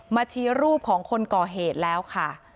ชี้รูปของคนก่อเหตุแล้วค่ะ